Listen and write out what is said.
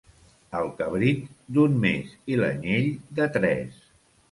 El cabrit, d'un mes, i l'anyell, de tres.